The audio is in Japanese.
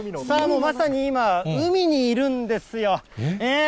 さあ、まさに今、海にいるんですよ。